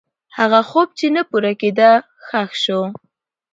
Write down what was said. هغه خوب چې نه پوره کېده، ښخ شو.